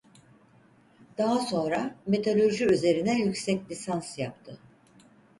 Daha sonra Metalurji üzerine yüksek lisans yaptı.